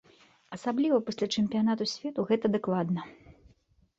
Асабліва пасля чэмпіянату свету гэта дакладна.